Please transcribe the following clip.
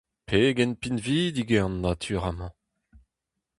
Pegen pinvidik eo an natur amañ !